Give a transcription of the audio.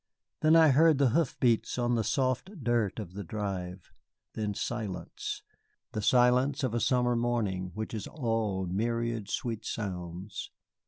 Then I heard the hoof beats on the soft dirt of the drive. Then silence, the silence of a summer morning which is all myriad sweet sounds.